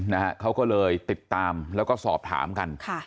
นะฮะเขาก็เลยติดตามแล้วก็สอบถามกันค่ะ